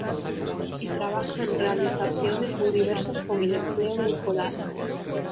Y trabaja en realizaciones muy diversas con el empleo del collage.